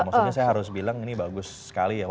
maksudnya saya harus bilang ini bagus sekali ya